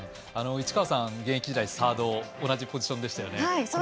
市川さん、現役時代サード同じポジションでしたよね。